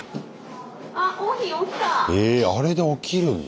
あれで起きるんだ。